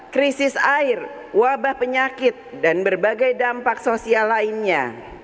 krisis air wabah penyakit dan berbagai dampak sosial lainnya